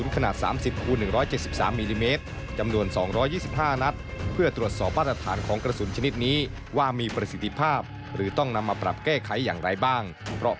การซ้อมรบทางทหาร